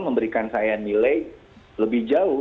memberikan saya nilai lebih jauh